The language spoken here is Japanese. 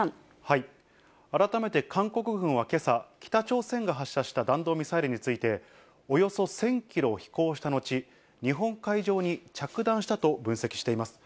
改めて韓国軍はけさ、北朝鮮が発射した弾道ミサイルについて、およそ１０００キロ飛行した後、日本海上に着弾したと分析しています。